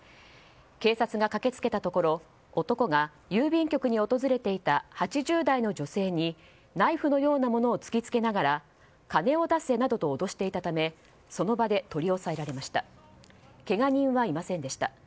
警察が駆け付けたところ男が郵便局に訪れていた８０代の女性にナイフのようなものを突き付けながら金を出せなどと脅していたためその場で取り押さえられました。